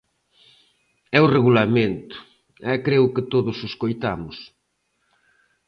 É o Regulamento, e creo que todos o escoitamos.